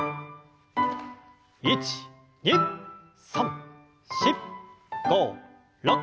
１２３４５６。